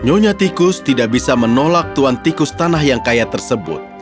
nyonya tikus tidak bisa menolak tuan tikus tanah yang kaya tersebut